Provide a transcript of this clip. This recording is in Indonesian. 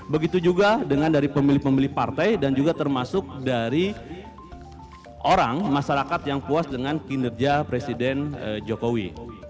begitu juga dengan dari pemilih pemilih partai dan juga termasuk dari orang masyarakat yang puas dengan kinerja presiden jokowi